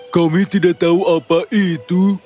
kami tidak tahu apa itu